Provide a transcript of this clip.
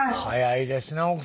早いですね